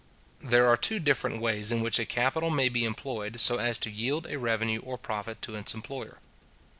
There are two different ways in which a capital may be employed so as to yield a revenue or profit to its employer.